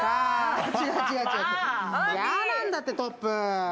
嫌なんだって、トップ。